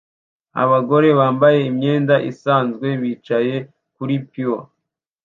Abagore bambaye imyenda isanzwe bicaye kuri pew